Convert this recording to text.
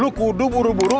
lu kudu buru buru